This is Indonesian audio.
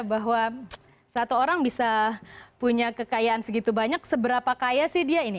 bahwa satu orang bisa punya kekayaan segitu banyak seberapa kaya sih dia ini